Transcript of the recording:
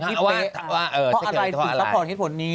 พออะไรถูกรับรองเหตุผลนี้